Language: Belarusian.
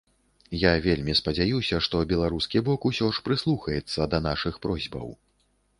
Я вельмі спадзяюся, што беларускі бок усё ж прыслухаецца да нашых просьбаў.